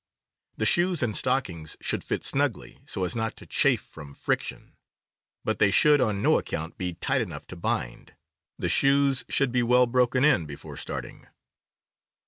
The shoes and stockings should fit snugly, so as not to chafe from friction, but they should on no account be tight enough to bind. The shoes should be well broken in before starting.